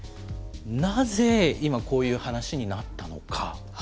なぜ今、こういう話になったのか。